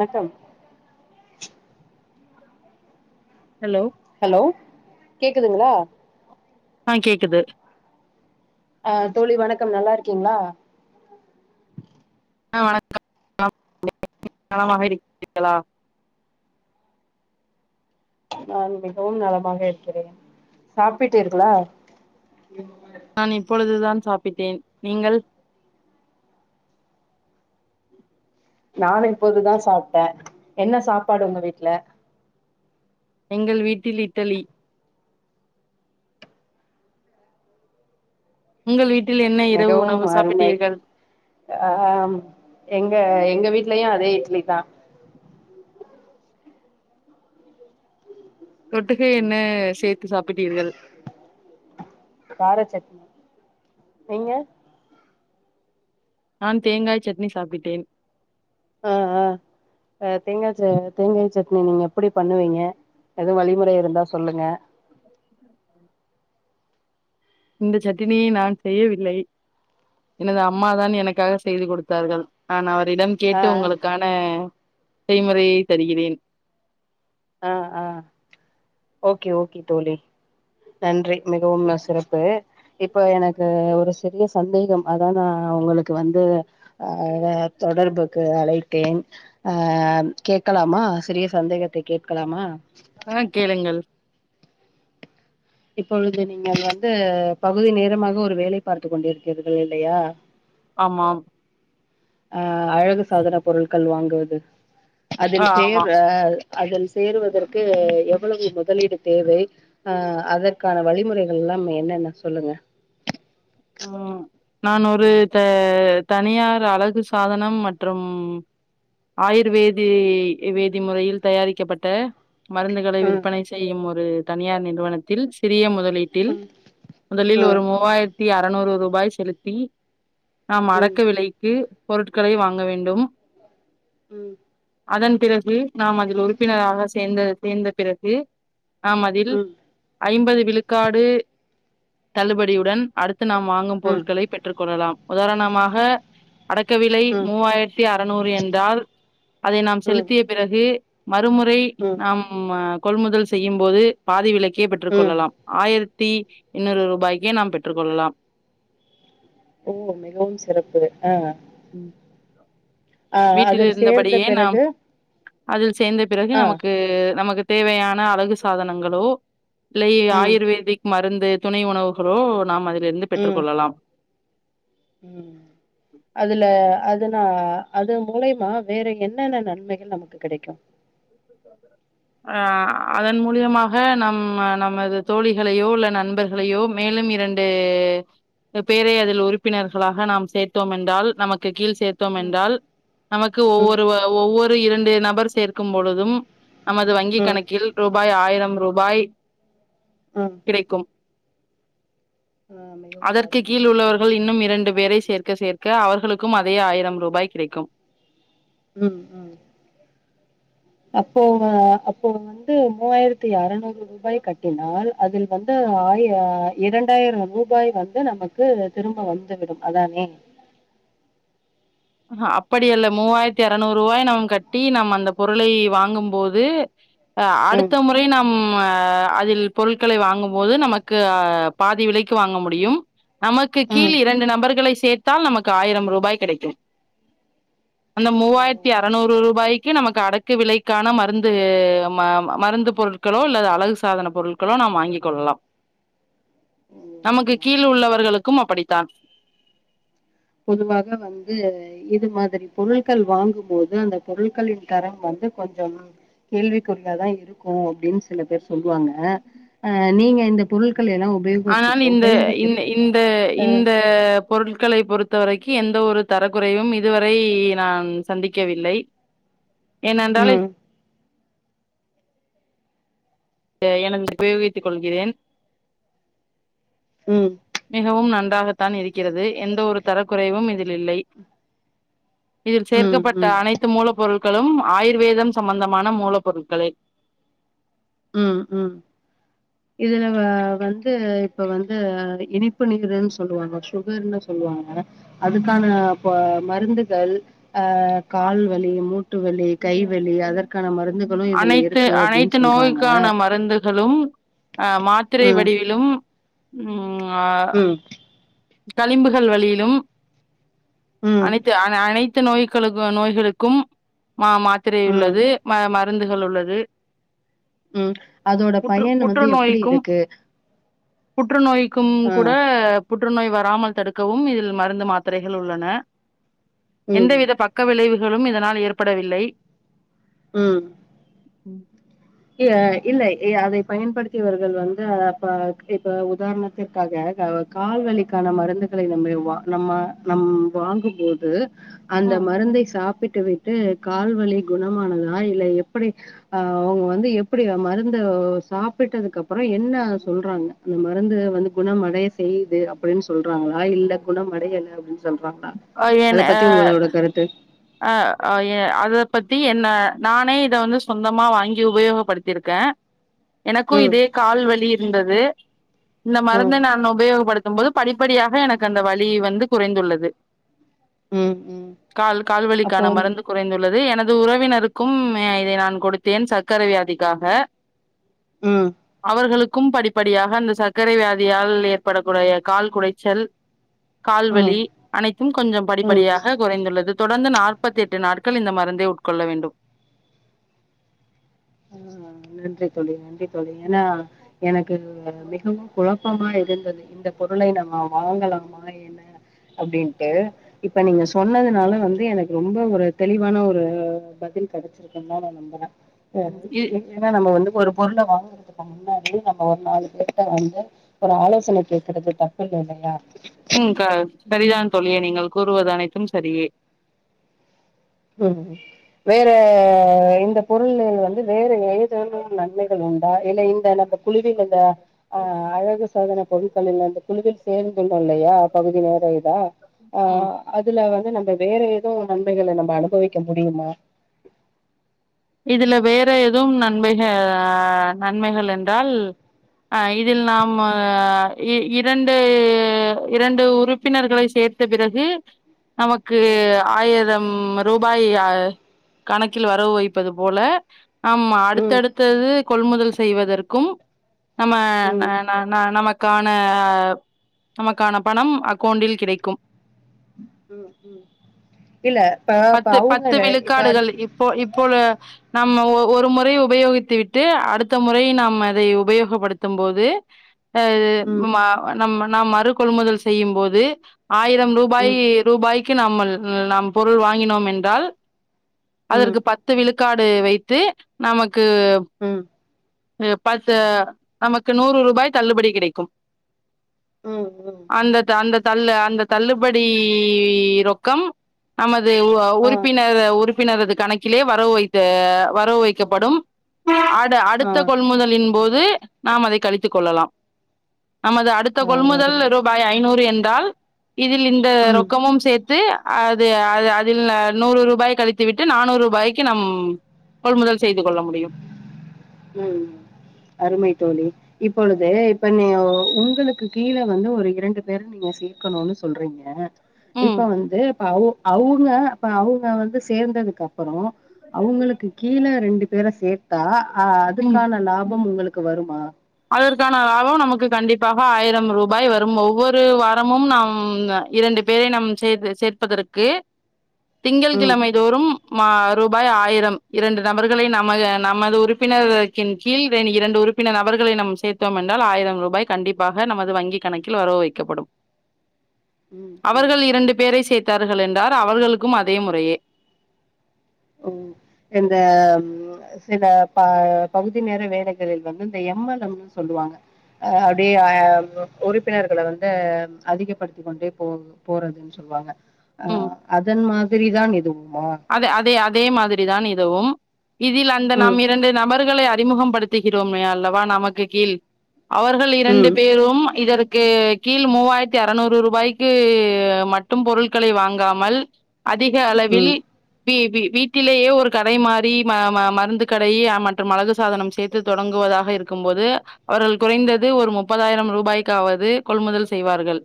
வணக்கம் hello hello கேக்குதுங்களா ஆ கேக்குது ஆ தோழி வணக்கம் நல்லாருக்கீங்ளா ஆ வணக்கம் நலமாக இருக்கிறீர்களா நான் மிகவும் நலமாக இருக்கிறேன் சாப்பிட்டீர்களா நான் இப்பொழுதுதான் சாப்பிட்டேன் நீங்கள் நானு இப்போதுதா சாப்ட்டே என்ன சாப்பாடு உங்க வீட்ல எங்கள் வீட்டில் இட்டலி உங்கள் வீட்டில் என்ன இரவு மிகவும் உணவு அருமை சாப்பிட்டீர்கள் ஆ எங்க எங்க வீட்லயு அதே இட்லி தா தொட்டுக்கை என்ன சேர்த்து சாப்பிட்டீர்கள் கார சட்னி நீங்க நான் தேங்காய் சட்னி சாப்பிட்டேன் ஆ ஆ ஆ தேங்கா ச தேங்காய் சட்னி நீங்க எப்புடி பண்ணுவீங்க எதுவு வழிமுறை இருந்தா சொல்லுங்க இந்த சட்டினியை நான் செய்யவில்லை எனது அம்மா தான் எனக்காக செய்து கொடுத்தார்கள் நான் அவரிடம் ஆ கேட்டு உங்களுக்கான செய்முறையை தருகிறேன் ஆ ஆ ஓகே ஓகே தோழி நன்றி மிகவும்ன சிறப்பு இப்ப எனக்கு ஒரு சிறிய சந்தேகம் அத நா உங்களுக்கு வந்து ஆ வ தொடர்புக்கு அழைத்தேன் ஆ கேட்கலாமா சிறிய சந்தேகத்தை கேட்கலாமா ஆ கேளுங்கள் இப்பொழுது நீங்கள் அது வந்து பகுதி நேரமாக ஒரு வேலை பார்த்து கொண்டிருக்கிறீர்கள் இல்லையா ஆமாம் ஆ அழகு சாதன பொருள்கள் வாங்குவது ஆ அதில் ஆமா சேர் ஆ அதில் சேருவதற்கு எவ்வுளவு முதலீடு தேவை ஆ அதற்கான வழிமுறைகள்லாம் என்னென்ன சொல்லுங்க ம் நான் ஒரு த தனியார் அழகு சாதனம் மற்றும் ஆயுர்வேதி வேதி முறையில் தயாரிக்கப்பட்ட மருந்துகளை ம் விற்பனை செய்யும் ஒரு தனியார் நிறுவனத்தில் சிறிய முதலீ ட்டில் ம் முதலில் ம் ஒரு மூவாய்ர்த்தி அறநூறு ரூபாய் செலு த்தி நாம் ம் அடக்க விலைக்கு பொருட்களை வாங்க வேண்டும் ம் அதன் பிறகு நாம் அதில் உறுப்பினராக சேர்ந்த சேர்ந்த பிறகு நாம் அதில் ம் ம் ஐம்பது விழுக்காடு தள்ளுபடியுடன் த்து நாம் வாங்கும் பொருள்களை பெற்றுக் கொள்ளலாம் உதாரணமாக அடக்க விலை ம் மூவாய்ர்த்தி அறநூறு என்றால் அதை நாம் ம் ம் செலுத்திய பிறகு மறுமுறை நாம்ம கொள்முதல் செய்யும் போது பாதி விலைக்கே பெற்றுக் ம் கொள்ளலாம் ஆயர்த்தி எண்ணூறு ரூபாய்க்கே நாம் பெற்றுக் கொள்ளலாம் ஓ மிகவும் சிறப்பு ஆ ம் ஆ அதில் சேர்ந்த வீட்டிலிருந்தபடியே நாம் பிறகு அதில் சேர்ந்த பிறகு ஆ நமக்கு நமக்கு தேவையான அழகு சாதனங்களோ பிலை ம் ஆயுர்வேதிக் மருந்து துணை உணவுகளோ நாம் அதிலிருந்து பெற்று ம் கொள்ளலாம் ம் அதுல அதுனா அது மூலியமா வேற என்னென்ன நன்மைகள் நமக்கு கிடைக்கும் ஆ அதன் மூலியமாக நம் நமது தோழிகளையோ இல்ல நண்பர் களையோ மேலும் இரண்டு பேரை அதில் உறுப்பினர்களாக நாம் சேர்த்தோம் என்றால் நமக்கு கீழ் சேர்த்தோம் ம் என்றால் நமக்கு ம் ஒவ்வொரு ஒவ்வொரு இரண்டு நபர் சேர்க்கும் பொழுதும் நமது வங்கிக் ம் கணக்கில் ரூபாய் ஆயிரம் ரூபாய் ம் கிடைக்கும் ஆ மிகவும் அதற்கு அருமை கீழ் ஆ உள்ளவர்கள் இன்னும் இரண்டு பேரை சேர்க் க சேர்க்க அவர்களுக்கும் அதே ஆயிரம் ரூபாய் கிடைக்கும் ம் ம் அப்போ அப்போ வந்து மூவாயிரத்தி அறநூறு ரூபாய் கட்டினால் அதில் வந்து ம் ஆயிர இரண்டாயிர ரூ பாய் வந்து நமக்கு திரும்ப வந்து விடும் அதானே ஹ அப்படிஅல்ல மூவாயிரத்தி அறநூறு ரூவாய் நம் கட்டி நம் அந்த பொருளை வாங்கும்போது அ ம் அடுத்த மு றை நம்ம அதில் பொருட்களை வாங்கும்போது நமக்கு பாதி விலைக்கு வாங்க முடியும் நமக்கு கீழ் ம் இரண்டு நபர்களை சேர்த்தால் நமக்கு ஆயிரம் ரூபாய் கிடைக்கும் அந்த மூவாயிரத்தி ம். அறநூறு ரூபாய் க்கி நமக்கு அடக்கு விலைக்கான மருந்து மருந்து பொருட்களோ அல்லது அழகு சாதன பொருட்க ளோ நாம் வாங்கிக் கொள்ளலாம் நமக்கு கீழ் உள்ளவர்களுக்கும் அப்படித்தான் பொதுவாக வந்து இது மாதிரி பொருட்கள் வாங்கும் போது இந்த பொருட்களின் தரம் வந்து கொஞ்சம் கேள்விக்குறியதா இருக்கு அப்டின் சில பேர் சொல்லுவாங்க அ நீங்க இந்த பொருட்கள் எலோ ஆனால் இந்த இந்த இந்த பொருட்களை பொறுத்தவரைக்கி எந்த ஒரு தரக்குறையும் இதுவரை நான் சந்திக்கவில்லை ஏனன்றால் ம் என [inaudible] உபயோகித்துக் கொள்கிறேன் ம் மிகவும் நன்றாகத்தான் இருக்கிறது எந்த ஒரு தரக்குறைவும் இதில் இல்லை இதில் ம் சேர்க்கப்பட்ட ம் அனைத் த்து மூலப்பொருட்களும் ஆயுர்வேதம் சம்பந்தமான மூலப்பொருட்களே ம் ம் இதுல வந்து இப்ப வந்து இனிப்பு நீருன் சொல்லுவாங்க சுகர்னுு சொல்லுவாங்க அதுக்கானப்ப மருந்துகள் அ கால் வலி மூட்டு வலி கை வலி அதற்கான மருந்துகளு இதுல அனைத்து இருக்கு அப்டின் அனைத்து சொல் நோய்க்கான மருந்துகளும் அ மாத்திரை ம் வடிவிலும் ம் அ ம் களிம்புகள் வழியிலும் ம் அனைத்து அனைத்து நோய்க்களு நோய்களுக்கும் ம மா த்திரை ம் உள்ளது ம மருந்துகள் உள்ளது ம் அதோட புற்று பயன்னு வந்து எப்படி புற்றுநோய்க்கும் இருக்கு புற்றுநோய்க்கும் ஆ கூட புற்றுநோய் வராமல் தடுக்கவும் இதில் மருந்து மாத்திரைகள் உள்ளன ம் எந்தவித பக்க விளைவுகளும் இதனால் ஏற்படவில்லை ம் இல இல்லை அதை பயன்படுத்தியவர்கள் வந்து அப்ப இப்ப உதாரணத் த்துகாக கால்வலிக்கான மருந்துகளை நம்ம நம்ம நம் வாங்கும்போது அந்த ம் மருந்தை சாப்பிட்டு விட் டு காலு வலி குணமாகுதா இல்ல எப்படி ஆ அவங்க வந்து இல்ல எப்படி மருந்த சாப்பிட்டதுக்கு அப்பறோ என்ன சொல்றாங்க அந்த மருந்து வந்து குணமடைய செய்து அப்டின் சொல்றாங்ளா இல்ல குணமடையல அப்டின் சொல்றாங்ளா அஹ் அத என் அ பத்தி உங்களோட கருத்து அ எ அத பத்தி என்ன நானே இத வந்து சொந்தமா வாங்கி உபயோகப்படுத்திருக்கே எனக்கு ம் இதே கால்வலி இருந்தது இந்த ம் மருந்த நான் உபயோகப்படுத் தும் போது படிப்படியாக எனக்கு அந்த வலி வந்து குறைந்துள்ளது ம் ம் கால் ல் அப்போ வலிக்கான மருந்து குறைந்துள்ளது எனது உறவினருக்கும் இதை நான் கொடுத்தேன் சக்கரை வியாதிக்காக ம் அவர்களுக்கும் படிப் படியாக அந்த சக்கரை வியாதியால் ஏற்படக்கூடய கால் குடைச்சல் ம் கால்வலி அனைத்தும் கொஞ்சம் ம் படிப்படியாக குறைந்துள்ளது தொடர்ந்து நாற்பத்தெட்டு நாட்கள் இந்த மருந்தை உட்கொள்ள வேண்டும் நன்றி தோழி நன்றி தோழி ஏன்னா எனக்கு மிகவும் குழப் ப்பமா இருந்தது இந்த பொருளை நம்ம வாங்கலாமா என்ன அப்டின்ட்டு இப்ப நீங்க சொன்னதுனால வந்து எனக்கு ரொம்ப ஒரு தெளிவான ஒரு பதில் கெடச்சிருக்குன் தா நா நம்புற இ ஏன்னா நம்ம வந்து ஒரு பொருள வாங்கற துக்கு முன்னாடி நம்ப ஒரு நாலு பேருட்ட வந்து ஒரு ஆலோசன கேக்குறது தப்பில்ல இல்லயா ம் க சரிதா தோழியே நீங்கள் கூறுவது அனைத்தும் சரியே ம் ம் வேற இந்த பொருள்லள் வந்து வேற ஏதேனும் நன்மைகள் உண்டா இல்ல இந்த நம்ப குழுவினங்க அ அழகு சாதன பொருட்கள்லெல்லா அந்த குழுவில் சேந்துணு இல்லயா பகுதி நேர இதா ஆ ம் அதுல வந்து நம்ப வேற ஏது நன்மைகள நம்ப அனுபவிக்க முடியுமா இதுல வேற எதும் நன்மைக நன்மைகள் என்றால் ஆ இதில் நாம்ம இ இரண்டு இரண்டு உறுப்பினர்களை சேத்த பிறகு நமக் கு ம். ஆயிரம் ருபாய் அ கணக்கில் வரவு வைப்பது போல ஆமா ம், அடுத்தடுத்தது கொள்முதல் செய்வதற்கும் நம்ம ந ம். ந ந நமக்கான நமக்கான பணம் அக்கவுண்டில் கிடைக்கும் இல்ல ப்ப பத்து அவுங்க பத்து ர இப்ப விழுக்காடுகள் இப்போ இப்போ நா நம்ம ஒரு முறை உபயோகித்து விட்டு அடுத்த முறை நம் அதை உபயோகப்படுத்தும் போது [inaudible] அது ம், ம நம் நாம் மறு கொள்முதல் செய்யும் போது ஆயிரம் ரூபாய் ம், ரூபாய்க்கு நம்மல் நாம் பொருள் வாங்கினோம் என்றால் ம், அதற்கு பத்து விழுக்காடு வைத்து நமக்கு ம் எ பஸு நமக்கு நூறு ரூபாய் தள்ளுபடி கிடைக்கும் ம், ம். அந்த த அந்த தள்ளு அந்த தள்ளுபடி ரொக்கம் நமது ஒ ஆ, உறுப்பினர் உறுப் பினரது கணக்கிலே வரவு வைத்து வரவு வைக்கப்படும் அடு ஆ, அடுத்த கொள்முதலின் போது நாம் அதை கழித்து கொள்ளலாம் நமது அடுத்த ஆ கொள்முதல் அருமை. ரூபாய் ஐநூறு என்றால் இதில் இந்த ம், ரொக்கமும் சேத்து அது அது அதில் நூறு ரூபாய் கழித்து விட்டு நானூறு வாய்க்கி நம் கொள்முதல் செய்து கொள்ள முடியும் ம் அருமை தோழி இப்பொழுது இப்ப நீ உங்களுக்கு கீழ வந்து ஒரு இரண்டு பேரு நீங்க சேக்கணுனு சொல்றீங்க இப்ப ம் வந்து இப்ப அவ் அவுங்க அப்ப அவ்ங்க வந்து சேந்ததுக்கப்பறோ அவுங்குளுக்கு கீழ ரெண்டு பேர சேத்தா அ அதுக்கான ம் லாபம் உங்களுக்கு வருமா அதற்கான லாபம் நமக்கு கண்டிப்பாக ஆயிரம் ரூபாய் வரும் ஒவ்வொரு வாரமும் நாம் ங்க இரண்டு பேரை நம் சேர் சேர்ப்பதற்கு ம், திங்கள்கிழமை தோறும் மா ரூபாய் ஆயிரம் இரண்டு நபர்களை நமது நமது உறுப்பினர்க க்கின் கீழ் ரெண் இரண்டு உறுப்பினர் நபர் களை நாம் சேர்த்தோம் என்றால் ஆயிரம் ரூபாய் கண்டிப்பாக நமது வங்கிக் கணக்கில் வரவு வைக்கப்படும் ம், ம். அவர்கள் இரண்டு பேரை சேர்த்தார்கள் என்றார் அவர்களுக்கும் அதே முறையே ம் இந்த ம் சில ப பகுதி நேர வேலைகளில் வந்து இந்த எம் எல் எம் னு சொல்லுவாங்க அ அப்டியே அ உறுப்பினர்கள வந்து அதிகப்படுத்தி கொண்டே போ போறது சொல்வாங்க அ ம் அதன் மாதிரி தான் இதுவுமா அத அதே அதே மாதிரி தான் இதுவும் இதில் அந்த நாம் ம் இரண்டு நபர்களை அறிமுகம் படுத்துகிறோமே அல்லவா நமக்கு கீழ் அவர்கள் இரண்டு ம் பேரும் இதற்கு கீழ் மூவாயிரத்தி அறநூறு ரூபாய்க் கு மட்டும் பொருள்களை வாங்காமல் அதிக அளவில் ம் வீ வீ வீட்டிலேயே ஒரு கடை மாரி ம ம மருந்து கடையி அ மற்றும் அழகு சாதனம் சேத் து தொடங்குவதாக இருக்கும்போது அவர்கள் குறைந்தது ஒரு முப்பதாயிரம் ரூபாய்க்காவது கொள்முதல் செய்வார்கள்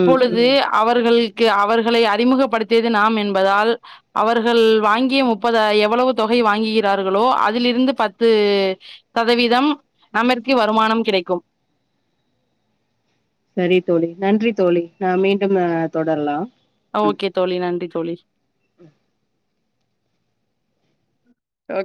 ம் ம் அவர்கள்க்கு அவர்களை அறிமுகப்படுத்தியது நாம் என்பதால் அவர்கள் வாங்கிய முப்பதாயி எவ்வளவு தொகை வாங்கிகிறார்களோ அதிலிருந்து பத்து சதவீதம் நம்மிற்கு வருமானம் கிடைக்கும் சரி தோழி நன்றி தோழி நாம் மீண்டும் அ தொடரலா ஆ ஓகே தோழி நன்றி தோழி ஓகே.